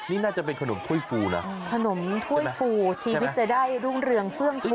นี่น่าจะเป็นขนมถ้วยฟูนะขนมถ้วยฟูชีวิตจะได้รุ่งเรืองเฟื่องฟู